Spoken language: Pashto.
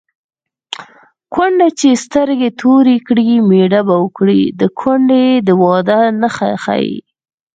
کونډه چې سترګې تورې کړي مېړه به وکړي د کونډې د واده نښه ښيي